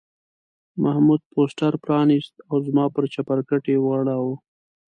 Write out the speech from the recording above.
محمود پوسټر پرانیست او زما پر چپرکټ یې وغوړاوه.